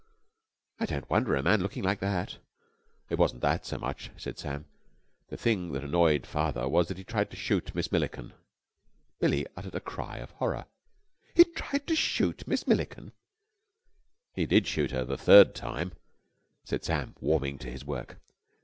"I don't wonder. A man looking like that...." "It wasn't that so much," said Sam. "The thing that annoyed father was that he tried to shoot Miss Milliken." Billie uttered a cry of horror! "He tried to shoot Miss Milliken!" "He did shoot her the third time," said Sam warming to his work.